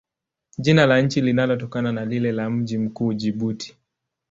Jina la nchi linatokana na lile la mji mkuu, Jibuti.